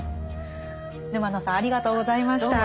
沼野さんありがとうございました。